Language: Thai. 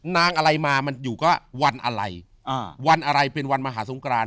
นางอะไรมามันอยู่ก็วันอะไรอ่าวันอะไรเป็นวันมหาสงคราน